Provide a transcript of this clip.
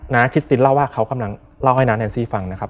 คริสตินเล่าว่าเขากำลังเล่าให้น้าแอนซี่ฟังนะครับ